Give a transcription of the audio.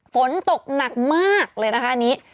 ฝนตกหนักมากเลยนะคะอันนี้